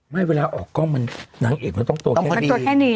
เวลาออกกล้องมันนางเอกมันต้องตัวแค่ตัวแค่นี้